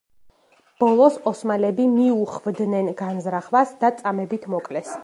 ბოლოს ოსმალები მიუხვდნენ განზრახვას და წამებით მოკლეს.